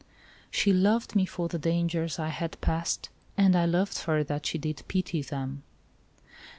She loved me for the dangers I had passed • And I loved her that she did pity them."